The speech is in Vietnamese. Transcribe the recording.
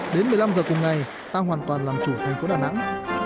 đến một mươi năm giờ cùng ngày ta hoàn toàn làm chủ thành phố đà nẵng